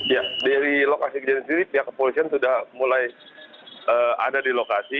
ya dari lokasi kejadian sendiri pihak kepolisian sudah mulai ada di lokasi